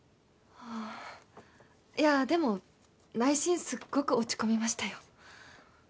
ああいやあでも内心すっごく落ち込みましたよ